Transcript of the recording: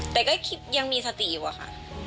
แต่ก็คิดยังมีสติอยู่อะค่ะ